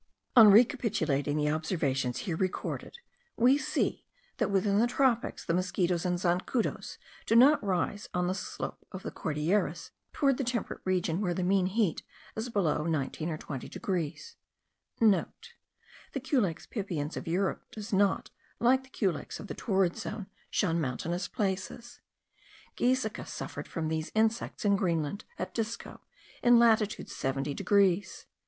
On recapitulating the observations here recorded, we see, that within the tropics, the mosquitos and zancudos do not rise on the slope of the Cordilleras* toward the temperate region, where the mean heat is below 19 or 20 degrees (* The culex pipiens of Europe does not, like the culex of the torrid zone, shun mountainous places. Giesecke suffered from these insects in Greenland, at Disco, in latitude 70 degrees.